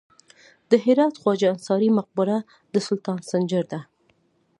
د هرات خواجه انصاري مقبره د سلطان سنجر ده